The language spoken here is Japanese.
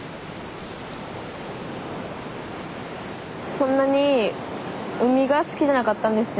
そんなに海が好きじゃなかったんですよ。